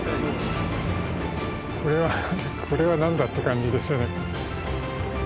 これはこれは何だって感じですよね。